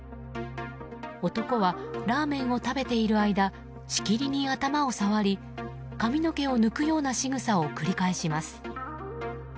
男はラーメンを食べている間しきりに頭を触り髪の毛を抜くようなしぐさを繰り返します。